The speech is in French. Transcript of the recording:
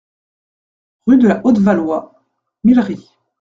Rue de la Haute-Valois, Millery